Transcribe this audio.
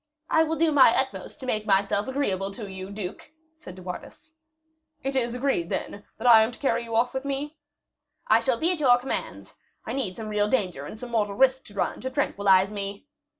"I will do my utmost to make myself agreeable to you, duke," said De Wardes. "It is agreed, then, that I carry you off with me?" "I shall be at your commands. I needed some real danger and some mortal risk to run, to tranquilize me."